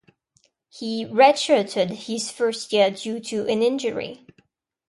He redshirted his first year due to an injury.